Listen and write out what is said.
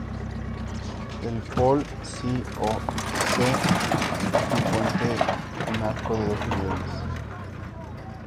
El Pol Si-o-se es un puente en arco de dos niveles.